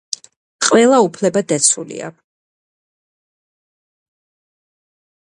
ყველა უფლება დაცულია.